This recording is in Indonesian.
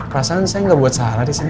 perasaan saya nggak buat salah di sini